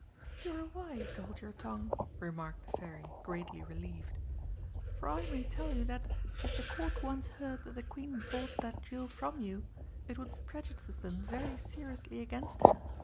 "You were wise to hold your tongue," remarked the Fairy, greatly relieved. "For I may tell you that, if the Court once heard that the Queen bought that jewel from you, it would prejudice them very seriously against her.